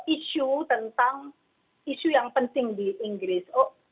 isu tentang isu yang penting di inggris